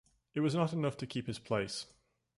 It was not enough to keep his place.